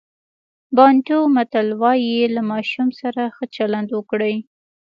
بانټو متل وایي له ماشوم سره ښه چلند وکړئ.